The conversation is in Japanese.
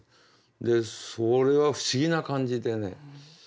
でそれは不思議な感じでねあっ